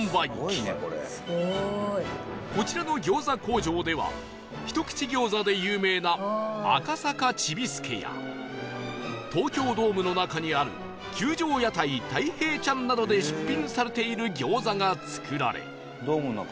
こちらの餃子工場では一口餃子で有名な赤坂ちびすけや東京ドームの中にある球場屋台大平ちゃんなどで出品されている餃子が作られ